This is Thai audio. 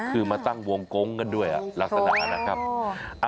คือมาตั้งวงกงกันด้วยลักษณะนะครับ